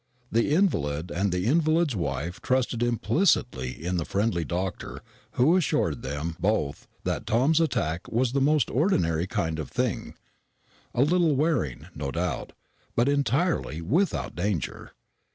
The invalid and the invalid's wife trusted implicitly in the friendly doctor who assured them both that Tom's attack was the most ordinary kind of thing; a little wearing, no doubt, but entirely without danger.